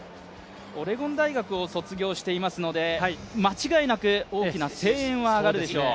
オレゴン大学を卒業していますので、間違いなく大きな声援は上がるでしょう。